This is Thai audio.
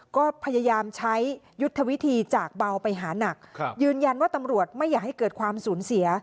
ก็พยายามใช้ยุทธวิธีจากเบาไปหานักยืนยันว่าตำรวจไม่อยากให้เกิดความสูญเสีย